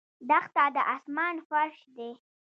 دښته د آسمان فرش دی.